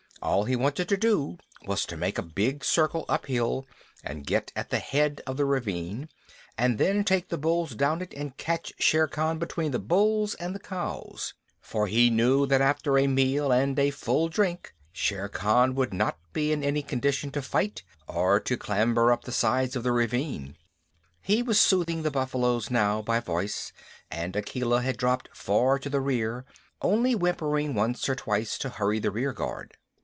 All he wanted to do was to make a big circle uphill and get at the head of the ravine, and then take the bulls down it and catch Shere Khan between the bulls and the cows; for he knew that after a meal and a full drink Shere Khan would not be in any condition to fight or to clamber up the sides of the ravine. He was soothing the buffaloes now by voice, and Akela had dropped far to the rear, only whimpering once or twice to hurry the rear guard.